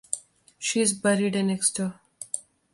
She is buried in Exeter.